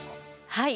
はい。